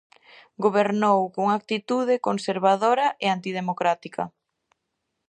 Gobernou cunha actitude conservadora e antidemocrática.